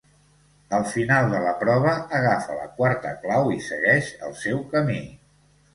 Al final de la prova agafa la quarta clau i segueix el seu camí.